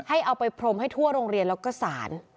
ให้เอาไปพรมให้ทั่วโรงเรียนแล้วก็สาร